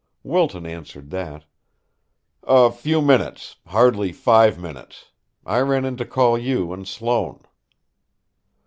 Wilton answered that: "A few minutes, hardly five minutes. I ran in to call you and Sloane."